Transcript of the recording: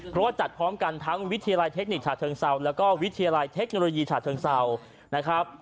เพราะว่าจัดพร้อมกันทั้งวิทยาลัยเทคนิคฉาเชิงเซาแล้วก็วิทยาลัยเทคโนโลยีฉาเชิงเศร้านะครับ